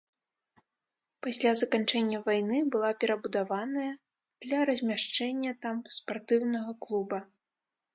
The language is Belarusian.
Пасля заканчэння вайны была перабудаваная для размяшчэння там спартыўнага клуба.